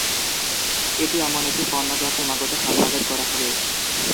এটি এমন একটি পণ্য যা ক্রমাগত হালনাগাদ করা হবে।